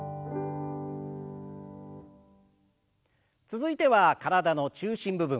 続いては体の中心部分。